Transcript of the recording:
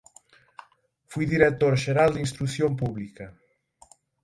Foi director xeral de Instrución Pública.